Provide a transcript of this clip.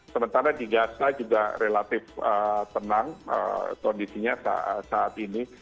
sementara di gaza juga relatif tenang kondisinya saat ini